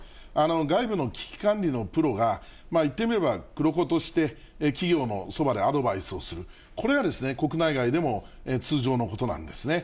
外部の危機管理のプロが、言ってみれば黒子として企業のそばでアドバイスをする、これは国内外でも通常のことなんですね。